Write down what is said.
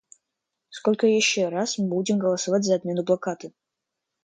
Сколько еще раз мы будем голосовать за отмену блокады?